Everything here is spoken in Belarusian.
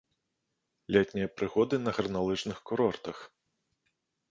Летнія прыгоды на гарналыжных курортах.